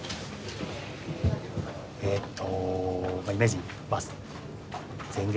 えっと